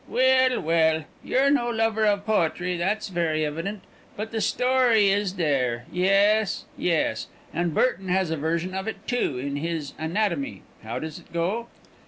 "Well, well! you're no lover of poetry, that's very evident; but the story is there. Yes, yes; and Burton has a version of it, too, in his Anatomy. How does it go?